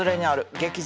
劇場。